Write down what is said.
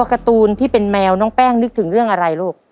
การ์ตูนที่เป็นแมวน้องแป้งนึกถึงเรื่องอะไรลูก